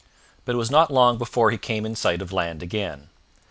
But it was not long before he came in sight of land again.